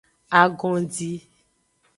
Agondi.